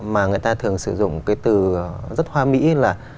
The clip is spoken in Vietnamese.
mà người ta thường sử dụng cái từ rất hoa mỹ là